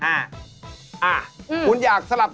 ต้องทำเป็นสามกษัตริย์นะ